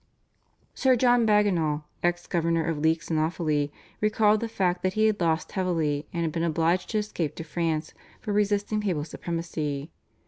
Sir John Bagenall, ex governor of Leix and Offaly, recalled the fact that he had lost heavily, and had been obliged to escape to France for resisting papal supremacy.